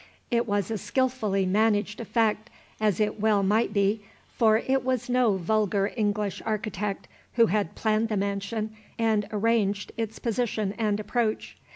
It was a skilfully managed effect, as it well might be, for it was no vulgar English architect who had planned the mansion and arranged its position and approach.